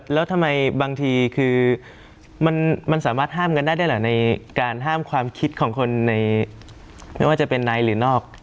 แล้วทำไมบางทีคือมันสามารถห้ามกันได้ได้เหรอในการห้ามความคิดของคนในไม่ว่าจะเป็นในหรือนอก